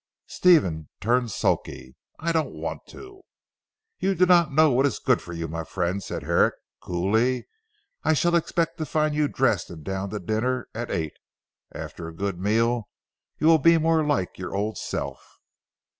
Stephen turned sulky. "I don't want to." "You do not know what is good for you my friend," said Herrick coolly, "I shall expect to find you dressed and down to dinner at eight. After a good meal you will be more like your old self."